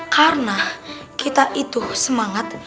karena kita itu semangat